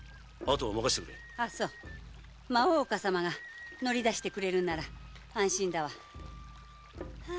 そう大岡様が乗り出してくれるなら安心だわ。